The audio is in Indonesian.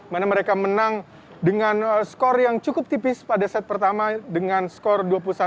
mana mereka menang dengan skor yang cukup tipis pada set pertama dengan skor dua puluh satu